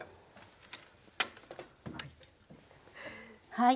はい。